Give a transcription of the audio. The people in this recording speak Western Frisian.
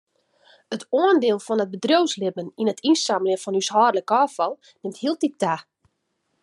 It oandiel fan it bedriuwslibben yn it ynsammeljen fan húshâldlik ôffal nimt hieltyd ta.